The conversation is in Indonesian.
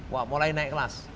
wah mulai naik kelas